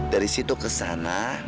dari situ ke sana